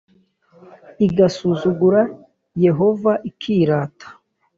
igasuzugura Yehova ikirata